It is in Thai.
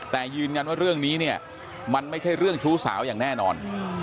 แต่ยืนยันว่าเรื่องนี้เนี่ยมันไม่ใช่เรื่องชู้สาวอย่างแน่นอน